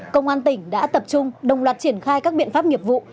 công an tỉnh đã tập trung đồng loạt triển khai các biện pháp nghiệp vụ